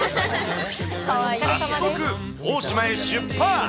早速、大島へ出発。